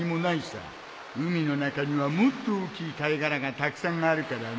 海の中にはもっと大きい貝殻がたくさんあるからね